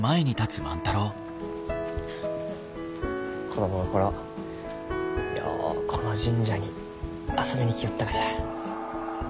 子供の頃ようこの神社に遊びに来よったがじゃ。